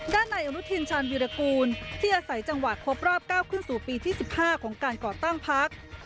ในอนุทินชาญวิรากูลที่อาศัยจังหวัดครบรอบ๙ขึ้นสู่ปีที่๑๕ของการก่อตั้งพัก